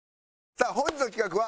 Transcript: さあ本日の企画は。